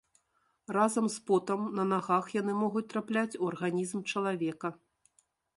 Разам з потам на нагах яны могуць трапляць у арганізм чалавека.